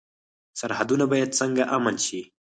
سرحدونه باید څنګه امن شي؟